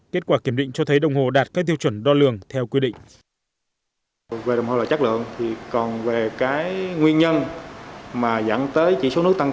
kết quả kiểm định cho thấy đồng hồ đạt các tiêu chuẩn đo lường theo quy định